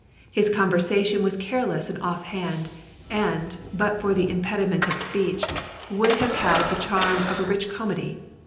His conversation was careless and off hand, and, but for the impediment of speech, would have had the charm of a rich comedy.